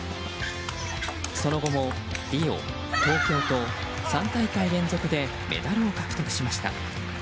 その後もリオ、東京と３大会連続でメダルを獲得しました。